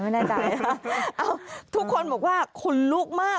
เอ้าทุกคนบอกว่าขุนลุกมาก